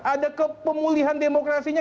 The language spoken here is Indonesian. ada kepemulihan demokrasinya